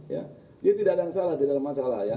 jadi tidak ada yang salah tidak ada masalah